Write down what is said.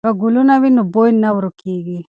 که ګلونه وي نو بوی نه ورکېږي.